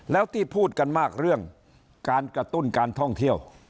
แล้วที่พูดกันมากเรื่องการกระตุ้นการท่องเที่ยว